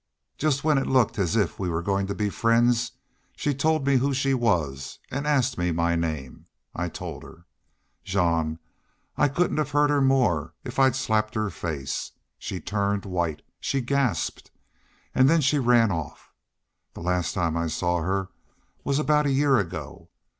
Just when it looked as if we were goin' to be friends she told me who she was and asked me my name. I told her. Jean, I couldn't have hurt her more if I'd slapped her face. She turned white. She gasped. And then she ran off. The last time I saw her was about a year ago.